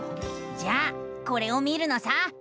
じゃあこれを見るのさ！